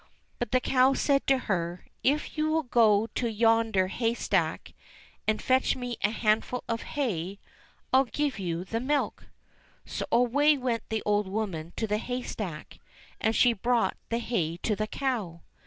But the cow said to her, "If you will go to yonder hay stack, and fetch me a handful of hay, I'll give you the milk." So away went the old woman to the hay stack ; and she brought the hay to the cow.